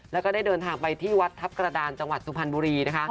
แล้วก็ได้เดินทางไปที่วัดทัพกระดานจังหวัดสุพรรณบุรีนะคะ